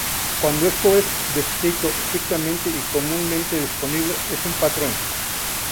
Cuando esto es descrito estrictamente y comúnmente disponible, es un patrón.